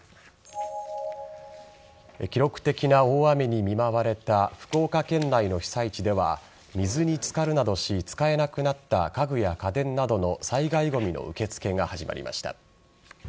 記録的な大雨に見舞われた福岡県内の被災地では水に漬かるなどし使えなくなった家具や家電などの災害ごみの受け付けが始まりました。